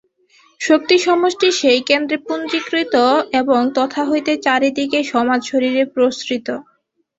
শক্তিসমষ্টি সেই কেন্দ্রে পুঞ্জীকৃত এবং তথা হইতেই চারিদিকে সমাজশরীরে প্রসৃত।